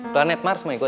planet mars mau ikut